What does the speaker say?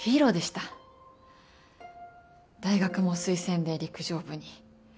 大学も推薦で陸上部に。